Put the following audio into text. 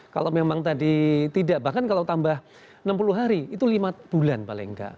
kalau memang tadi tidak bahkan kalau tambah enam puluh hari itu lima bulan paling nggak